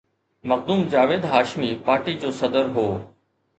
Makhdoom Javed Hashmi party جو صدر هو.